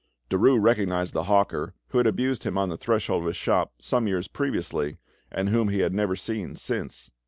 Derues recognised the hawker who had abused him on the threshold of his shop some years previously, and whom he had never seen since.